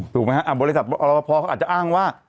ถูกไหมครับบริษัทรัวร์พอเขาอาจจะอ้างว่า